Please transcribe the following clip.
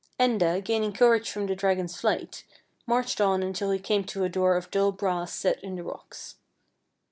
Enda, gaining courage from the dragon's flight, marched on until he came to a door of dull brass set in the rocks.